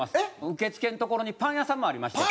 受付のところにパン屋さんもありまして。